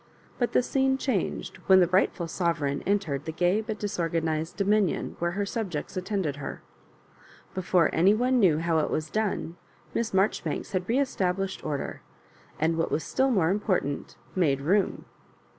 But the scene changed when the rightful sovereign en tered the gay but disorganised dominion where her subjects attended her. Before any one knew how it was done. Miss Marjoribanks had re estab lished order, and, what was still more important, made room.